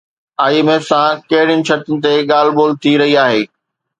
I M F سان ڪهڙين شرطن تي ڳالهه ٻولهه ٿي رهي آهي؟